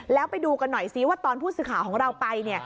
แล้วไปดูกันหน่อยซิว่าตอนผู้สื่อข่าวของเราไปเนี่ย